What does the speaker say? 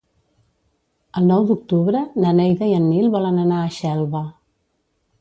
El nou d'octubre na Neida i en Nil volen anar a Xelva.